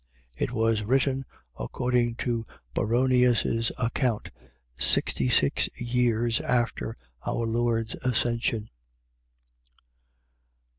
It was written, according to Baronius' account, sixty six years after our Lord's Ascension.